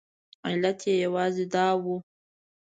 علت یې یوازې دا و.